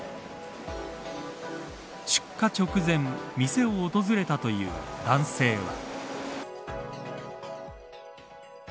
出火直前店を訪れたという男性は。